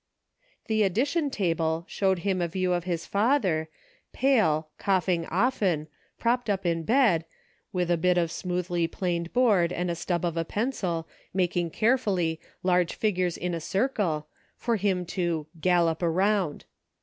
The addition table showed him a view of his father, pale, coughing often, propped up in bed, with a bit of smoothly planed board and a stub of a pencil, making carefully, large figures in a circle, for him to "gallop around."